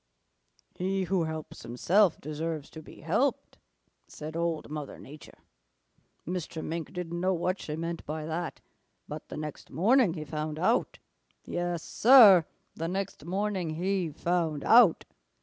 "'He who helps himself deserves to be helped,' said Old Mother Nature. Mr. Mink didn't know what she meant by that, but the next morning he found out. Yes, Sir, the next morning he found out.